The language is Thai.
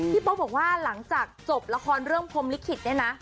โป๊บอกว่าหลังจากจบละครเรื่องพรมลิขิตเนี่ยนะ